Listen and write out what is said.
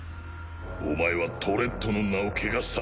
お前はトレットの名を汚した。